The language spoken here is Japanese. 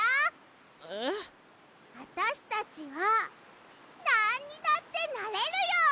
あたしたちはなんにだってなれるよ！